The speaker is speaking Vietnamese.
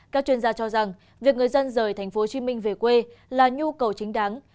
các chuyên gia cho rằng việc người dân rời tp hcm về quê là nhu cầu chính đáng